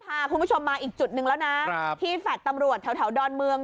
พาคุณผู้ชมมาอีกจุดหนึ่งแล้วนะที่แฟลต์ตำรวจแถวดอนเมือง